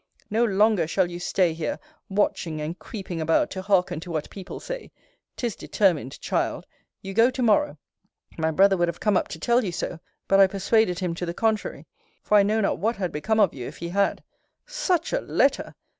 No longer shall you stay here, watching and creeping about to hearken to what people say 'Tis determined, child! You go to morrow my brother would have come up to tell you so; but I persuaded him to the contrary for I know not what had become of you, if he had Such a letter!